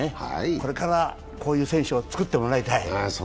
これからこういう選手を作ってもらいたい。